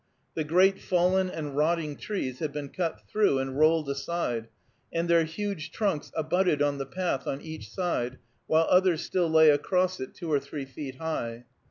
The great fallen and rotting trees had been cut through and rolled aside, and their huge trunks abutted on the path on each side, while others still lay across it two or three feet high.